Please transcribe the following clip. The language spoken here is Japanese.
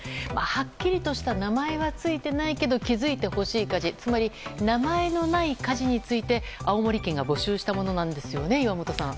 はっきりとした名前はついてないけど気づいて欲しい家事つまり名前のない家事について青森県が募集したものなんですよね